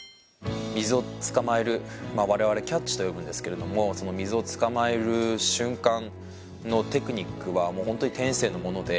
水をつかまえる、我々キャッチというんですけどその水をつかまえる瞬間のテクニックはもう、本当に天性のもので。